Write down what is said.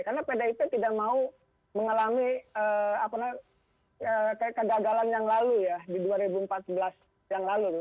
karena pdip tidak mau mengalami kegagalan yang lalu ya di dua ribu empat belas yang lalu